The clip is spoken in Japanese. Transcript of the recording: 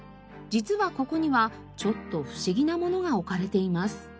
実はここにはちょっと不思議なものが置かれています。